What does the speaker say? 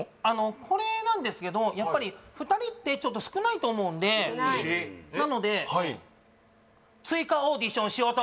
これなんですけどやっぱり２人ってちょっと少ないと思うんでなので・はいえっ？